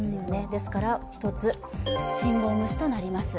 ですから、信号無視となります。